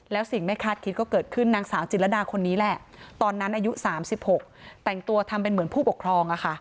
แล้วสิ่งไม่คาดคิดก็เกิดขึ้นนางสาวจิรดาคนนี้แหละตอนนั้นอายุ๓๖แต่งตัวทำเป็นเหมือนผู้ปกครอง